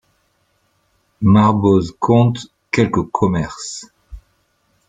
Marboz compte quelques commerces.